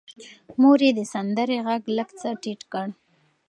مور یې د سندرې غږ لږ څه ټیټ کړ.